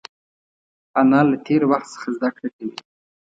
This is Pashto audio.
انا له تېر وخت څخه زده کړه کوي